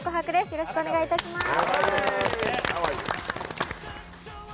よろしくお願いします。